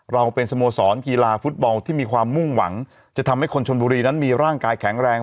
เราเป็นสโมสรกีฬาฟุตบอลที่มีความมุ่งหวังจะทำให้คนชนบุรีนั้นมีร่างกายแข็งแรง